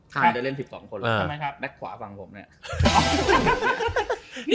ถ้าได้เล่น๑๒คนแล้วแบ๊กขวาฟังผมเนี่ย